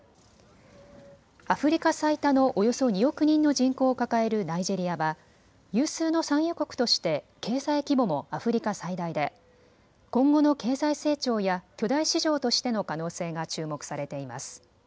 アフリカ最多のおよそ２億人の人口を抱えるナイジェリアは有数の産油国として経済規模もアフリカ最大で今後の経済成長や巨大市場としての可能性が注目されています。